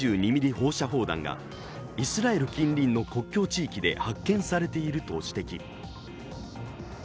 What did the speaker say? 放射砲弾がイスラエル近隣の国境地域で発見されていると指摘。